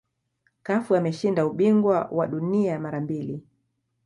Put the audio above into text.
cafu ameshinda ubingwa wa dunia mara mbili